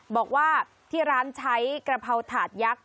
บอกว่าที่ร้านใช้กระเพราถาดยักษ์